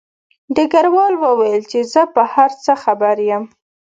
ډګروال وویل چې زه په هر څه خبر یم